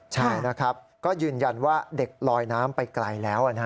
ใช่นะครับก็ยืนยันว่าเด็กลอยน้ำไปไกลแล้ว